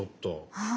はい。